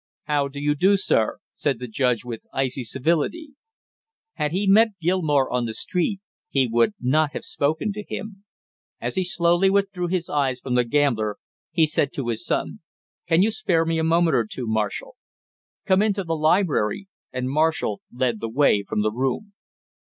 "How do you do, sir!" said the judge with icy civility. Had he met Gilmore on the street he would not have spoken to him. As he slowly withdrew his eyes from the gambler, he said to his son: "Can you spare me a moment or two, Marshall?" "Come into the library," and Marshall led the way from the room.